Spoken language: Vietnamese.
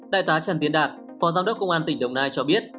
đại tá trần tiến đạt phó giám đốc công an tỉnh đồng nai cho biết